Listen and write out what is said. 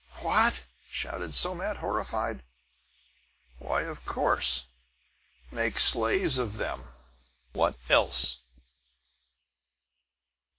"What!" shouted Somat, horrified. "Why, of course! Make slaves of them! What else?"